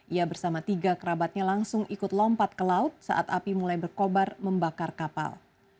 ia bersama tiga kerabatnya langsung ikut lompat ke laut saat api mulai berkobar membakar kapal